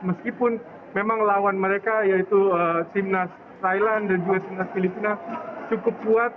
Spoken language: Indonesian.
meskipun memang lawan mereka yaitu simnas thailand dan juga timnas filipina cukup kuat